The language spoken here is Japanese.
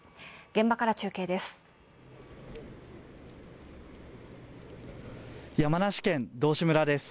現場から中継です。